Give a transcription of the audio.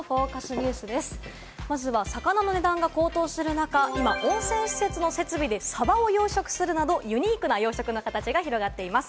ニュースでは、魚の値段が高騰する中、温泉施設の設備でサバを養殖するなど、ユニークな養殖の形が広がっています。